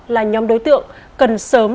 là nhóm đối tượng cần sớm